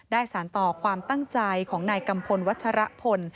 สารต่อความตั้งใจของนายกัมพลวัชรพล